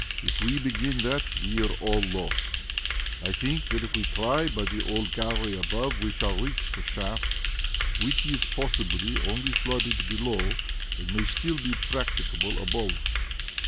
If we begin that, we are all lost. I think that if we try by the old gallery above we shall reach the shaft, which is possibly only flooded below, and may still be practicable above.